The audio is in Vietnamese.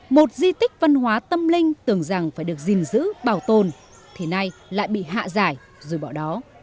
một di tích văn hóa tâm linh tưởng rằng phải được gìn giữ bảo tồn thì nay lại bị hạ giải rồi bỏ đó